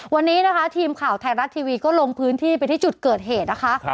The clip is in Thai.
วันนี้นะคะทีมข่าวไทยรัฐทีวีก็ลงพื้นที่ไปที่จุดเกิดเหตุนะคะ